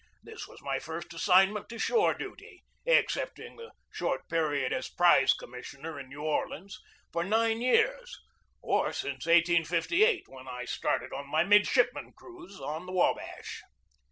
This was my first assign ment to shore duty, excepting the short period as prize commissioner in New Orleans, for nine years, or since 1858, when I started on my midshipman cruise on the Wabash.